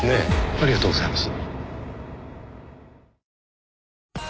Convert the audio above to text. ありがとうございます。